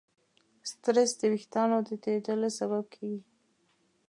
سټرېس د وېښتیانو د تویېدلو سبب کېږي.